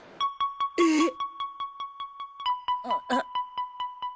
えっ！？ああ。